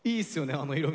あの色み。